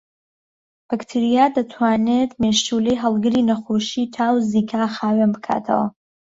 بەکتریا دەتوانێت مێشولەی هەڵگری نەخۆشیی تا و زیکا خاوێن بکاتەوە